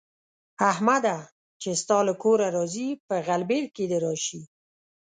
احمده! چې ستا له کوره راځي؛ په غلبېل کې دې راشي.